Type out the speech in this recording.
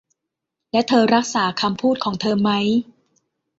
และเธอรักษาคำพูดของเธอมั้ย